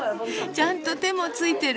ちゃんと手もついてる。